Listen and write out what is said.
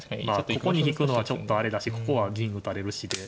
ここに引くのはちょっとあれだしここは銀打たれるしで。